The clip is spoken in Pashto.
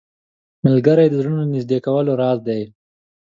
ملګری د زړونو د نږدېوالي راز دی